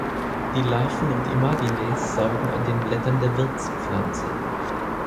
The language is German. Die Larven und Imagines saugen an den Blättern der Wirtspflanze.